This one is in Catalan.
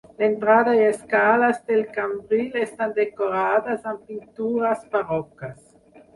L'entrada i escales del cambril estan decorades amb pintures barroques.